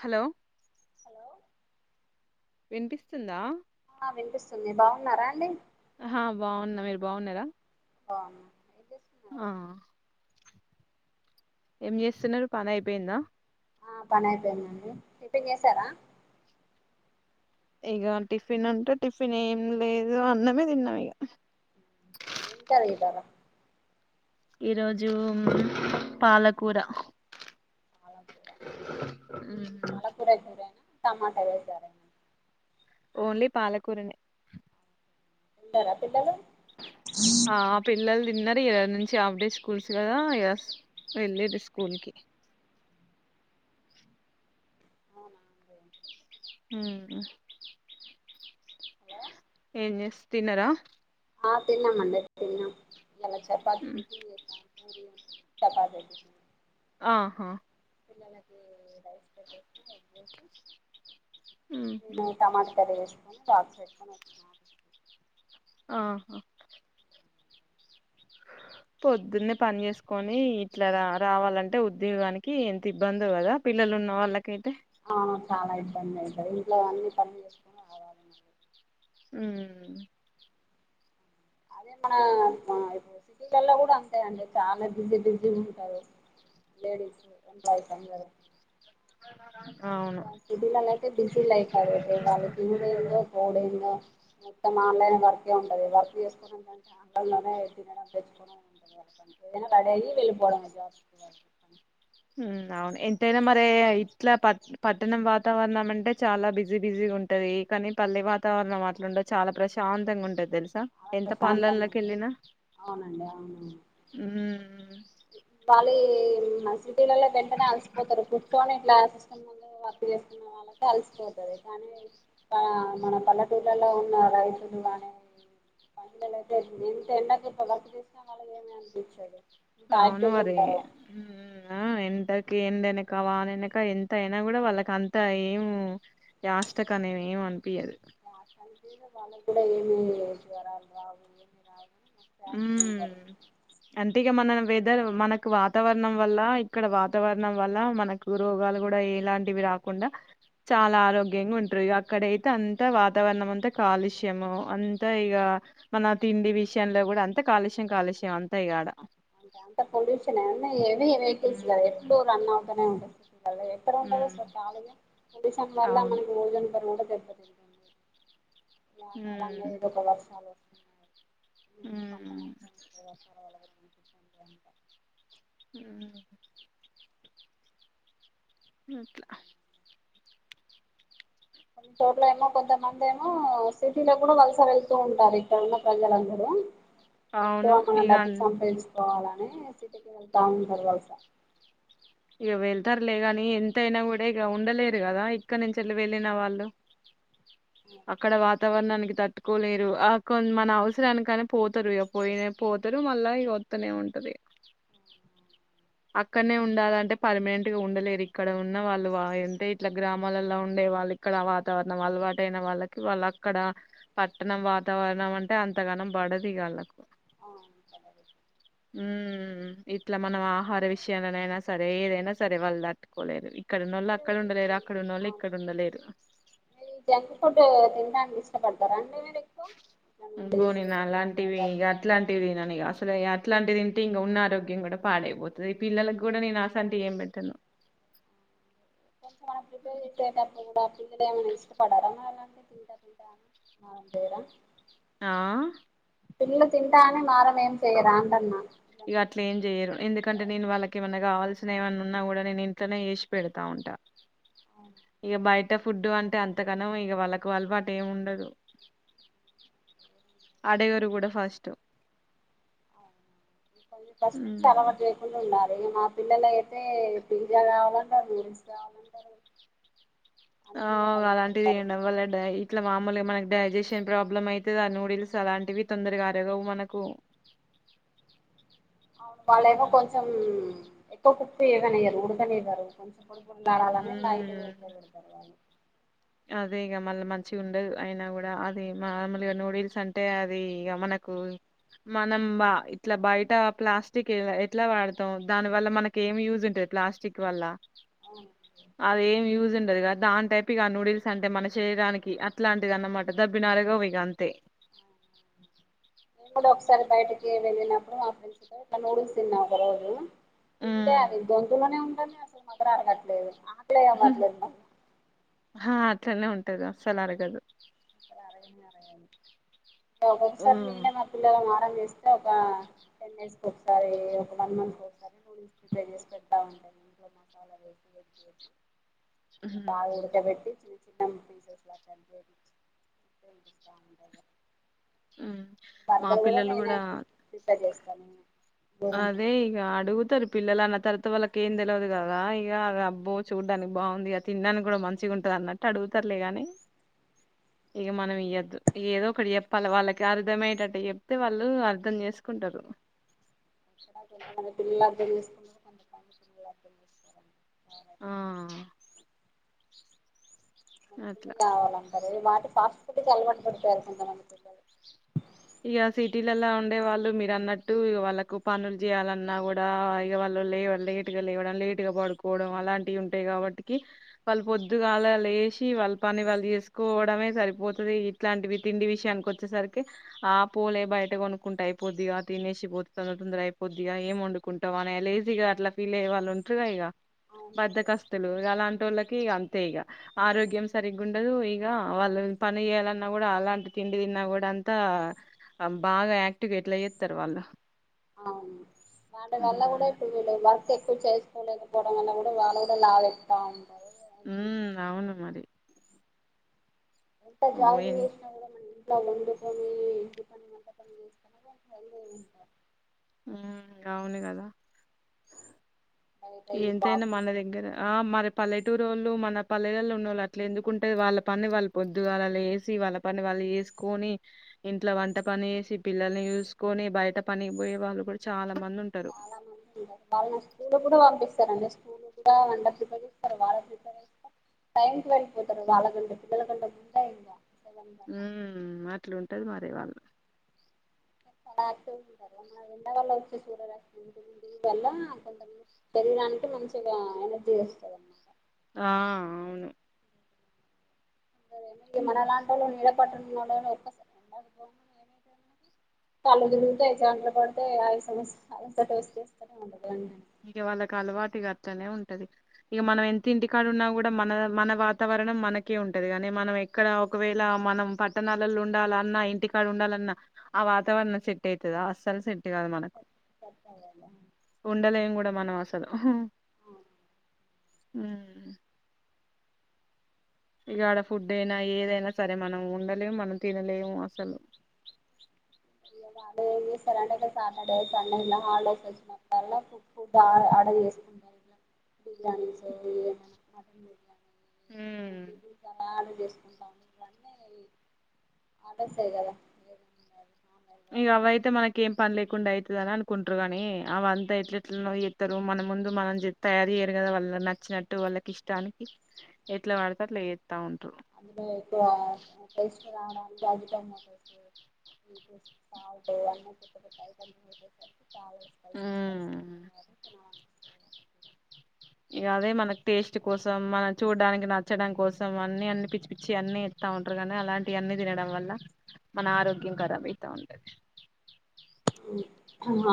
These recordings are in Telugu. హాలో హలో వినిపిస్తుందా ఆ వినిపిస్తుంది బాగున్నారా అండి ఆ బాగున్న మీరు బాగున్నారా బాగున్నాం ఆ ఏం చేస్తున్నారు పని అయిపోయిందా ఆ పని అయిపోయంద అండి టిఫిన్ చేసారా ఇక టిఫిన్ అంటే టిఫిన్ ఏం లేదు అన్నమే తిన్నాం ఇక ఏం కర్రీ చేశారు ఈరోోజు పాలకూర పాలకూర ఈ మ్మ్. పాలకూర టమాట వేశారని ఓన్లీ పాలకూరనే తింటారా పిల్లలు ఆ పిల్లలు తి తిన్నరు ఈరోజు నుంచి హాఫ్ డేస్ స్కూల్స్ గదా వెళ్ళిన్రు స్కూల్ కి అవునా మ్ హలో ఎం చేస్తు తిన్నరా ఆ తినమ్ అండీ తిన్నాం ఇయ్యేలా చెపాతి మ్మ్. టిఫన్ చేసినం పూరి చే చెపాతి ఆహా పిల్లలకి రైస్ పెటేసి ఎగ్ ఎసి నేను మ్మ్. టమాటా కర్రీ చేసినాన్ను బాక్స్ పెట్టుకొని వచ్చిన ఆహా పొద్దున్నే పని చేసుకొని ఇట్లా రా రావాలంటే ఉద్యోగానికి ఎంత ఇబ్బందో గదా పిల్లలు ఉన్న వాళ్లకేయితే అవును చాలా ఇబ్బంది అయితది ఇంట్లో అన్ని పని చేసుకుని రావాలి ఉమ్ అదే మన ఇప్పుడు సిటీ ల్లా ల కూడా అంతేయండి చాలా బిజి బిజి ఉంటారు లేడీస్ ఎంప్లాయీస్ అందరూ [unintelligible] అవును సిటి లలో అయితే బిజీ లైఫ్ అది అయితే వాళ్ళు తిరుగుడు ఏందో పోవుడేందో మొత్తం ఆన్లైన్ వర్కే ఉంట ది వర్క్ చేసుకోవడంటే ఆన్లైన్ లోనే తినడం తెచ్చుకోవడం ఉంటది వాళ్ళ పని ఏదేనా రెడీ అయి వెళ్ళిపోవడం జాబ్ అవును ఎంతైనా మరి ఇట్లా ప పట్టణం వాతావరణం అంటే చాలా బిజీ బిజీ ఉంటది కానీ పల్లె వాతావరణం అట్లుండదు చాలా ప్రశాంతంగా ఉంటది తెలుస చాలా ఎంత ప్రశాంతంగా ఉంటది పనుల్లకెళ్లిన అవునండి అవునవును మ్ వాళ్ళు మన సిటీలలో వెంటనే అలసిపోతరు కూర్చొని ఇట్లా సిస్టమ్ ముందు వర్క్ చేసుకునే వాళ్ళక అలసిపోతుది కానీ మన పల్లెటూళ్లలో ఉన్న రైతులు గానీ మహిళలు అయితే ఎంత ఎండక వర్క్ చేసినా వాళ్ళకి ఏమి అనిపించదు ఎంత అవును యాక్టివ్గా మరి ఉంటారు మ్ అ ఎంతక్ ఏండ అనక వాన వెనక ఎంత అయినా గూడా వాళ్ళకి అంత ఏం అస్టక్ అంతా ఏమి అనిపియదు అంతే న వాళ్ళకు గూడా ఏమి జ్వరాలు రావు ఏమి రావు మస్తు యాక్టివ్గా ఉంటారు ఉమ్ అంటె మనం వెదర్ మనకు వాతావరణం వల్ల ఇక్కడ వాతావరణం వల్ల మనకు రోగాలు గూడా ఎలాంటివి రాకుండా చాలా ఆరోగ్యంగా ఉంటరు అక్కడయితే అంత వాతావరణం అంతా కాలుష్యము అంతా ఇగా మన తిండి విష న్లో గూడా అంత కాలుష్యం కాలుష్యం అంతాఇగా అడ అంటే అంత పొల్యూషన్ అన్నీ హెవీ వెకిల్స్ గదా ఎప్పుడు ఉమ్ రన్ అవుట్ పోతనే ఉంటాయ్ ఎక్కడ ఉండరు ఉమ్ అసలు కాలిగా మన డిసంబర్ అవును మనం పూజంబరు గణపతిగుడి వాన కాలన్నా ఉమ్ ఏదో ఒక వర్షాల పంట ఉమ్ మొత్తం కారబ్ అయితది [inaudible] ఊ ఊట్లా కొన్ని చోట్ల ఏమో కొంతమంది ఏమో సిటీలో కూడా వలస వెళ్తూ ఉంటారు ఇక్కడున్న ప్రజలందరూ ఎక్కువ అవును మనం ఇగ డబ్బు సంపాదించుకోవాల మే సిటీకి వెళ్తా ఉంటరు వల్స ఇగ వెళ్తారులే గానీ ఎంతైనా గూడా ఇగ ఉండలేరు గదా ఇక్కన్నుంచెళ్ళి వెళ్ళిన వాళ్ళు అక్కడ వాతావరణానికి తట్టుకోలేరు ఆ కొన్ మన అవసరానికని పోతరు ఇగ పోయిన పోతారు మళ్ళా వత్తనే ఉంటది అక్కడ్నే ఉండాలని అంటే పర్మనెంట్ గా ఉండలేరు, ఇక్కడ ఉన్న వాళ్ళు వా అంటే ఇట్లా గ్రామాలల్ల ఉండే వాళ్ళు ఇక్కడ వాతావరణం అలవాటైన వాళ్ళకి వాళ్ళు అక్కడ పట్టణం వాతావరణం అంటే అంతగానం పడది ఇగ ఆళ్ళకు. అవు [inaudible] ఊమ్ ఇట్ల మనం ఆహార విషయాలనైనా సరే ఏదైనా సరే వాళ్ దట్టుకోలేరు ఇక్కడన్నోళ్ళు అక్కడ ఉండలేరా అవును అదీ జంక్ ఫుడ్ తింటాన్కి ఇష్టపడతారా అండి మీ పోనీ నాలాంటివి ఇగ బర్గర్లు అట్లాంటివి తిననిగ అసలే య అట్లాంటి దింటే ఇంగ ఉన్న ఆరోగ్యం గూడా పాడైపోతది ఈ పిల్లలకు గూడా నేను అసాంటియ్ ఏం పెట్టను కొంచెం మనం ప్రిపేర్ చేసేప్పుడు గూడా పిల్లల్ ఏం తీస్కుంటారా రా మరి ఏమైనా తింటా తింటా అని మారం జేయర ఆ పిలల్లు తింటా అని మారం ఏం చెయ్యరా అంటన్న ఇగ అట్లేం జెయ్యరు ఎందుకంటే నేను వాళ్ళకి ఏమైన్నా కావాల్స్ సిన ఏమన్నా ఉన్నా గూడా నేను ఇంట్లనే చేసి పెడతా ఉంటా ఇగ బయ్ ట ఫుడ్డు అంటే అంతగనం ఇక వాళ్ళకు అల్వాటు ఏం వుండదు అడగరు గూడా ఫస్ట్ [unintelligible] ఫస్ట్ నుంచి హ్మ్ అలవాటు చేయకుండా ఉండాలి గ ఈ మా పిల్లలైతే పిజ్జా కావాలంటారు నూడిల్స్ కావాలంటారు ఆ అన్ని కావాలంటారు అలాంటిది వాళ్ళు ఈయండం వళ్ళ డ ఇట్లా మామూలుగా మనకి డైజెషన్ ప్రాబ్లమ్ ఐతది ఆ నూడిల్స్ అలాంటివి తొందరగా అరగవు మనకు అవును వాళ్ళేమో కొంచెం ఎక్కువ పప్పు ఏగనియ్యరు ఉడకనివ్వరు కొంచం ఉడుకుండాలలని లైటుగ హ్మ్ ఉడకబెడతారు వాళ్ళు అదే ఇగ మళ్ళ మంచిగుండదు అయినా గూడా అదీ మామూలుగా నూడిల్స్ అంటే అదీ ఇగ మనకు మనం బ ఇట్ల బయట ప్లాస్టిక్ ఇల్లె ఎట్లా వాడతాం దాని వల్ల మనకి ఏం యూజ్ ఉంటది ప్లాస్టిక్ వల్ల అవును అదేం యూస్ ఉన్ దదిగా దాన్ టైప్ ఇగ నూడుల్ స్ అంటే మన శరీరానికి అట్లాంటిది అన్నమాట దబ్బిన అరగవు ఇగ అంతే నేను కూడా ఒకసారి బయటకి ఏ ఎళ్ళినప్పుడు మా ఫ్రెండ్స్ తో ఇలా నూడిల్స్ తిన్నా ఒక రోజు తింటే అది ఉమ్. గొంతులోనే ఉంటంది అసలు మధుర అగట్లేదు లయ మట్లేనవ్ ఆ అట్లనే ఉంటది అసలరగదు రాయలి ఉ ఒకొక్కసారి నేనే మా పిల్లల మా అలా చేస్తే ఒక టెన్ డేస్కి ఒకసారి, ఒక వన్ మంత్ ఒకసారి, నూడుల్స్ ప్రిపేర్ చేసి పెడతా ఉంటా ఇంట్లో నే మసాలా వేసి ఎగ్ వేసి బాగా ఉడక బెట్టి చూ చికెన్ [unintelligible] [inaudible] మా బర్గర్ కూడా పిల్లలు నేనే ప్రి ప్రిపేర్ చేస్ అవును అదే ఇగ అడుగుతరు పిలలన్న తర త వాళ్ళకు ఏం తెల్వదు గదా ఇగ అబ్బో చూడ్డానికి బాగుంది, ఇక తిండానికి గూడా మంచిగుంటంది అన్నట్టు అడుగుతారులే గాని, ఇక మనం ఇయ్యద్దు ఏదో ఒకటి చెప్పాలి, వాళ్ళకి అర్ధమయ్యటట్టు చెప్తే వాళ్ళు అర్ధం చేసుకుంటారు. ఇక్కడ కొంతమంది పిల్లలు అర్థం చేసుకున్నరు కొంత పిల్లలు అర్థం చేసుకోరమ్మ ఆ నచ్చిందే అట్లా కావాలంటరు ఏ మార్ ఫాస్ట్ ఫుడ్ కి అలవాటు పడిపోయారు కొంతమంది పిల్లలు ఇక సిటీలలా ఉండే వాళ్ళు మీరు అన్నట్టు, వాళ్ళకు పనులు చేయాలన్నా కూడా, ఇక వాళ్ళు లే లేటు గా లేవడం లేటు గా పడుకోవడం అలాంటివి ఉంటాయి కాబట్టికి, వాళ్ళు పొద్దుగాల లేసి వాళ్ళ పని వాళ్ళు చేసుకోవడమే సరిపోతది, ఇట్లాంటివి తిండి విషయానికి వచ్చేసరికి ఆ పోలే బయట కొనుక్కుంటూ అయిపోద్దిగా తినేసిపోతే తందర తందర అయిపోద్దిగా, ఏం వండుకుంటావు అని లేజీగా అట్లా ఫీల్ అయ్య వాళ్ళు ఉంటుంది ఇక అవునండి బద్దకస్తులు అలా టోళ్ళకి ఇ అంతే ఇక ఆరోగ్యం సరిగ్ ఉండదు, ఇక వాళ్ళ పని చేయాలన్నా కూడా అలాంటి తిండి తిన్నా కూడా అంతే అంత బాగా యాక్టివేట్లు అయ్యేస్తారు వాళ్ళు అవు అంట వెళ్ల కూడా మ్మ్ ఇప్పువవలే బ ఎక్కువ చేసుకోలేకపోవడం వల్ కూడా వాళ్ళు కూడా లావ్ అయిత ఉంటారు. ఉ అవును మరి ఎంత ఓ జాకింగ్ ఎన్ చేసిన ఇలా వండ పని ఇంటి పని అంత పని చేస్తన్న వాల్ ఉంటారు మ్ అవును కదా బయట ఈ ఎంతైనా వాకింగ్ మనదగ్గర ఆ మర పల్లెటూరు వాళ్ళు మన పల్లెలలో ఉన్న వాళ్ళు అట్ల, ఎందుకుంటే వాళ్ళ పని వాళ్ళు పొద్దుగాళ్ల వేసి వాళ్ళ పని వాళ్ళు చేసుకొని, ఇంట్లో వంట పని చేసి పిల్లల్ని చూసుకొని, బయట పనికి పోయే వాళ్ళు కూడా చాలా మంది ఉంటరు చాలా మంది ఉ వాళ్ళ న స్లు కూడా పంపి రు అండి స్కూల్ కూడా వ ప్రిపేర్ చేస్తారు, వాళ్ళ ప్రిపేర్ చేస్త టైంకి వెళ్ళిపోతారు వాళ్ళకంట పిల్లల కంట గుంట ఇంకా సెవెన్ కి ఉ అట్లా మాట్లుంటది మా అరే వాళ్ళ చాలా యాక్టివ్ గా ఉంటారు మన ఎండ వల్ల వచ్చే సూర్యర వల్ల కొంచ శరీరానికి మంచిగా ఎనర్జీ వస్తుంది ఆ అవును సరే మ ఉమ్. మనాల అంటలు నీ పట్టణ తళ్ళు దిగుతే జాండ్ర పడితేమస్యస్తనే ఉంటదండి ఇగ వాళ్ళకి అలవాటుగా అతనే ఉంటది ఇక మనం ఎంత ఇంటికాడు ఉన్నా కూడా మన మన వాతావరణం మనకే ఉంటది కాగాని మనం ఎక్కడ ఒకవేళ మనం పట్టణాలలో ఉండాలన్నా ఇంటికాడు ఉండాలన్నా ఆ వాతావరణం సెట్ అవుతుందా అస్సలు సెట్ కాదు మనకు వెంటనే ఉండలేం కూడా మనవాసదం ఆఓ హామ్ ఇగ ఆడ ఫుడ్ అయినా ఏదైనా సరే మనం ఉండలేము మనం తినలేము అసలు వాళ్ళ ఏం చేస్తారంటే ఇక్క సాటర్డేస్ సన్నే ఇలా హాలిడేస్ వచ్చినప్పుడల్లా ఫుడ్ ఆర్డర్ చేసుకుంటారు ఇ బిర్యానీస్ ఏ మటన్ ఉమ్. బిర్యానీ చాల కుాన్న ఆడర్స్ కదా ఆన్లైన్లో ఇగ ఆర్డర్ చేసి అవయితే మనకి ఏం పని లేకుండా అయితే ని అనుకుంటారు కాగానీ అవంతా ఎట్ల ఎట్లా చెస్తారు మన ముందు మనం తయారు చేయ్యరు కదా వాళ్ళ నచ్చినట్టు వాళ్ళకి ఇష్టానికి ఎట్లా వాడతారు అట్లా ఉంటారు అందు ఇకు ముటేశ్వర్వడాాల గాజు టమాటోస్ సాల్ట్ అన్న పెత్త పెత్త ఐటమ్స్ చా స్పైసీ స్పైసి ఉంటంది వా నాన్స్ ఇగ అదే మనకు టేస్ట్ కోసం మనం చూడడానికి నచ్చడం కోసం అన్ని అన్ని పిచ్చి పిచ్చి అన్ని ఇస్తా ఉంటారు కానీ అలాంటివి అన్ని తినడం వల్ల మన ఆరోగ్యం ఖరాబ్ అయితా ఉంటది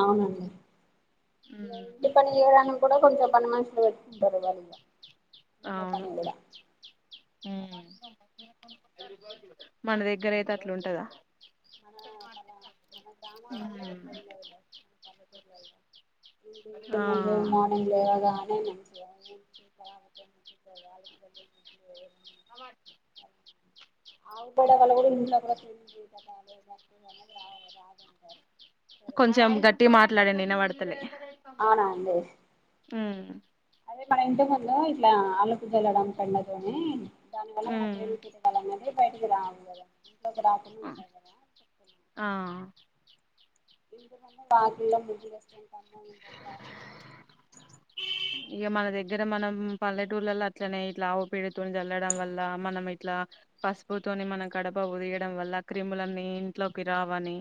అవునండి ఇగ ఇంటి ఉమ్. పని చేయడానికి కూడా కొంచెం పని మనుషులని పెట్టుకుంటారా వాళ్లు ఈగ అవును హుమ్ మన దగ్గర అయితే అట్లుంటదా మన మన గ్రామాలలో అట్లా ఉండదు పల్రు ఆ ఇంకాంగ్ ము మార్నింగ్ లో లేవగానే మంచిగా పూచ పరామత ముఖ వళ అవాట్ ఆ బడల్ కూడా ఇ కూడా త బై మకు అనే రా రాదంటారు కొంచెం గట్టిగా మాట్లాడండి వినబడ తలే అవునా అడి హామ్ అదే మన ఇంటి ముందు ఇట్లా అలుకు జల్లడం పెండ తోని దానివల్ల ఉమ్. క్రీం కీటకాలు అన్నవి అవి బయటికి రావు ఇకి రాకునే ఉంటాయి కదా చెప్పున్నా ఆ వాకిల్లో ముగ్గులు వేస్తుంటాము. ఇంక ఇగ మన దగ్గర మనం పల్లెటూళ్ళల్ల అట్లనే ఇట్ల ఆవు పేడ తోని చల్లడం వల్ల మనమై ఇట్లా పసుపుతోని మనం గడప పూయడం వల్ల క్రిములన్నీ ఇంట్లోకి రావని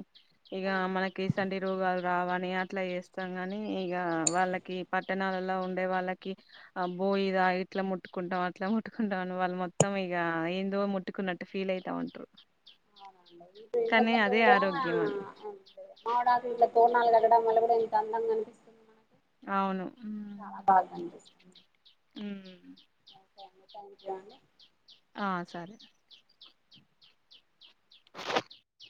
ఇగ అవును మనకి ఎటుసండీ రోగాలు రావు అని ని అట్లా చేస్తాం కానీ ఇగ వాళ్ళకి పట్టణాలలో ఉన్ అంటే వాళ్ళకి బోయిదా ఇట్లా ముట్టుకుంటాం అట్లా ముట్టుకుంటాం. అని వాళ్ళు మొత్తం ఇగ ఏందో ముట్టుకున్నట్టు ఫీల్ అయితా ఉంటరు. ఇంతకుముందు కూడా అని మామిడాకు తోరణాలు కట్ కట్టడం వల్ల కూడా ఎంత అందంగా కనిపిస్తుంది మనకు అవును కనిపిస్తుంది ఊమ్ హుమ్ ఉంటాను గాని ఆ సరే [unintelligible]